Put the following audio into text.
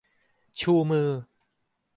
ชูมือ